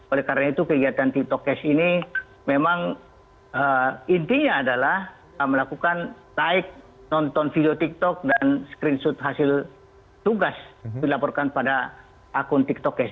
oleh karena itu kegiatan tiktok cash ini memang intinya adalah melakukan like nonton video tiktok dan screenshot hasil tugas dilaporkan pada akun tiktok cash